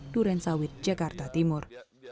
durensawit jakarta timur